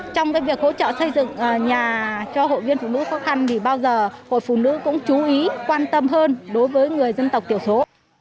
trong việc hỗ trợ xây dựng nhà cho hội viên phụ nữ khó khăn thì bao giờ hội phụ nữ cũng chú ý quan tâm hơn đối với người dân tộc tiểu số